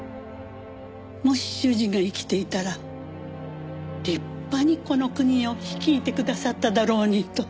もし主人が生きていたら立派にこの国を率いてくださっただろうにと。